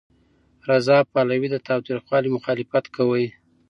رضا پهلوي د تاوتریخوالي مخالفت کوي.